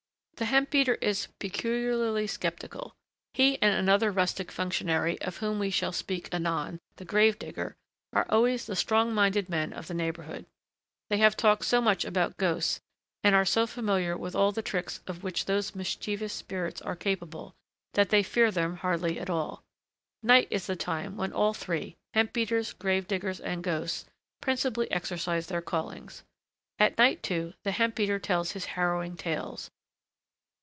The hemp beater is peculiarly sceptical. He and another rustic functionary, of whom we shall speak anon, the grave digger, are always the strong minded men of the neighborhood. They have talked so much about ghosts, and are so familiar with all the tricks of which those mischievous spirits are capable, that they fear them hardly at all. Night is the time when all three, hemp beaters, grave diggers, and ghosts, principally exercise their callings. At night, too, the hemp beater tells his harrowing tales.